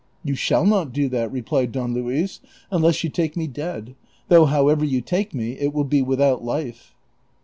" You shall not do that," replied Don Luis, " unless you take me dead ; though however you take me, it will be without life."